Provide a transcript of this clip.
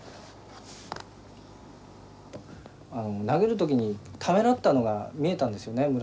投げる時にためらったのが見えたんですよね